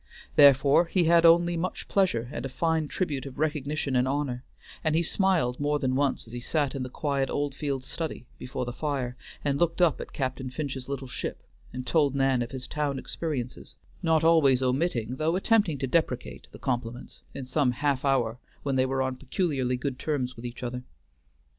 Therefore he had only much pleasure and a fine tribute of recognition and honor, and he smiled more than once as he sat in the quiet Oldfields study before the fire, and looked up at Captain Finch's little ship, and told Nan of his town experiences, not always omitting, though attempting to deprecate, the compliments, in some half hour when they were on peculiarly good terms with each other.